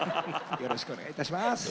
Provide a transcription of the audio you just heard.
よろしくお願いします。